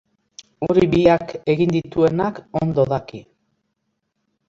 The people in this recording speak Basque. Hori biak egin dituenak ondo daki.